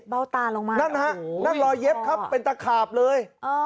เบ้าตาลงมานั่นฮะนั่นรอยเย็บครับเป็นตะขาบเลย